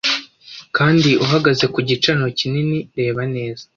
Kandi uhagaze ku gicaniro kinini rebaneza